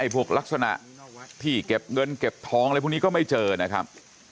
พวกลักษณะที่เก็บเงินเก็บทองอะไรพวกนี้ก็ไม่เจอนะครับ